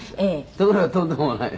ところがとんでもない。